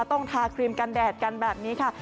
ต้องทาครีมกันแดดกันแบบนี้ค่ะ